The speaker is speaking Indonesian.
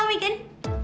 sampai jumpa lagi